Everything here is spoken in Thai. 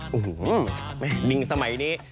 โอ้โหไปไม่ให้ลิงสมัยนี้